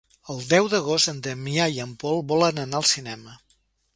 El deu d'agost en Damià i en Pol volen anar al cinema.